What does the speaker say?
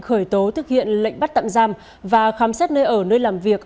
khởi tố thực hiện lệnh bắt tạm giam và khám xét nơi ở nơi làm việc